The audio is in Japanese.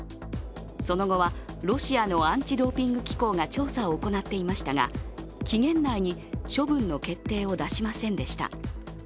その後は、ロシアのアンチ・ドーピング機構が調査を行っていましたが、期限内に処分の決定を出しませんでした。